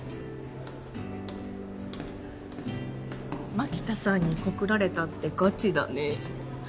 槙田さんに告られたってガチだね。